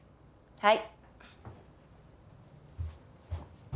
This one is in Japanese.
はい。